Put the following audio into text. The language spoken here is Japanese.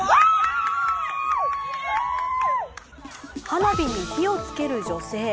花火に火を付ける女性。